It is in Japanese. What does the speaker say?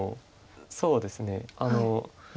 そうですね。